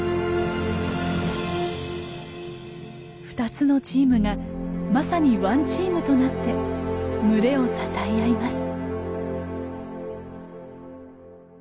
２つのチームがまさにワンチームとなって群れを支え合います。